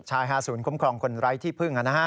ใช่ศูนย์ของคนไร้ที่พึ่ง